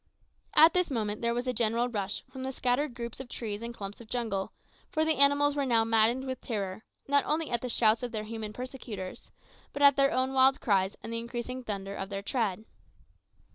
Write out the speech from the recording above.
At this moment there was a general rush from the scattered groups of trees and clumps of jungle, for the animals were now maddened with terror, not only at the shouts of their human persecutors, but at their own wild cries and the increasing thunder of their tread.